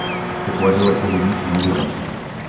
Cet oiseau est endémique du Honduras.